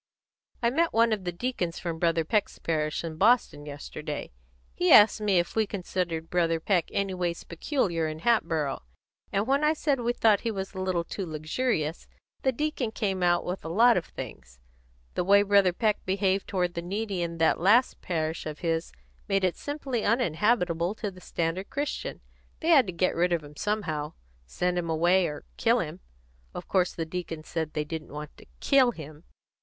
"I met one of the deacons from Brother Peck's last parish, in Boston, yesterday. He asked me if we considered Brother Peck anyways peculiar in Hatboro', and when I said we thought he was a little too luxurious, the deacon came out with a lot of things. The way Brother Peck behaved toward the needy in that last parish of his made it simply uninhabitable to the standard Christian. They had to get rid of him somehow send him away or kill him. Of course the deacon said they didn't want to kill him."